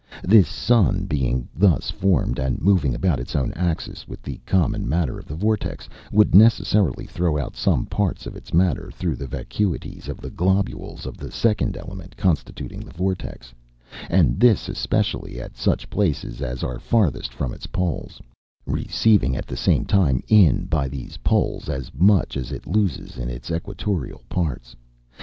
This sun being thus formed, and moving about its own axis with the common matter of the vortex, would necessarily throw out some parts of its matter, through the vacuities of the globules of the second element constituting the vortex; and this especially at such places as are farthest from its poles: receiving, at the same time in, by these poles, as much as it loses in its equatorial parts.